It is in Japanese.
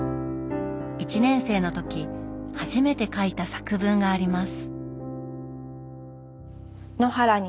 １年生の時初めて書いた作文があります。